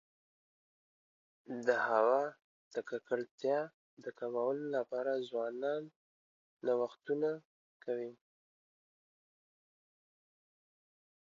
د هوا د ککړتیا د کمولو لپاره ځوانان نوښتونه کوي.